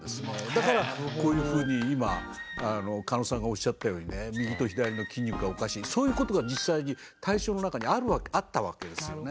だからこういうふうに今加納さんがおっしゃったようにね右と左の筋肉がおかしいそういうことが実際に対象の中にあったわけですよね。